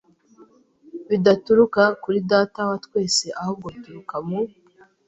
bidaturuka kuri Data wa twese ahubwo bituruka mu